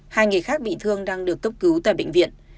hai người khác bị thương đang được cấp cứu tại bệnh viện